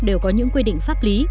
đều có những quy định pháp lý